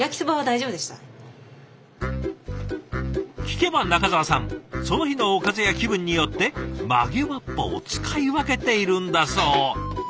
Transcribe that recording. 聞けば仲澤さんその日のおかずや気分によって曲げわっぱを使い分けているんだそう。